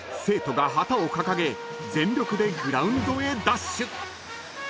［生徒が旗を掲げ全力でグラウンドへダッシュ］